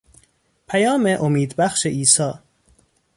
پیام امیدبخش عیسی